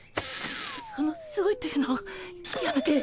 うそのすごいというのやめて。